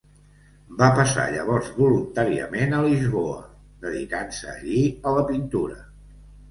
Va passar llavors voluntàriament a Lisboa, dedicant-se allí a la pintura.